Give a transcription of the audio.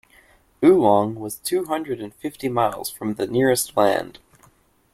Oolong was two hundred and fifty miles from the nearest land.